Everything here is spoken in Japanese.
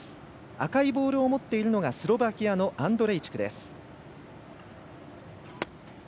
赤いボールを持っているのがスロバキアのアンドレイチクです。